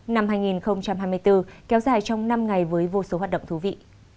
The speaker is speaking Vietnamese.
năm hai nghìn hai mươi bốn kéo dài trong năm ngày với vô số hoạt động thú vị